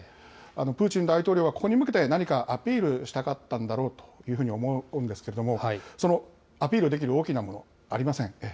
プーチン大統領はここに向けて、何かアピールしたかったんだろうというふうに思うんですけど、そのアピールできる大きなもの、ありません。